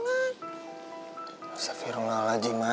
masa firulah lagi ma